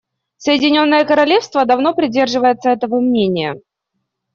Соединенное Королевство давно придерживается этого мнения.